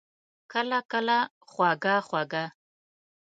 کله، کله خواږه، خواږه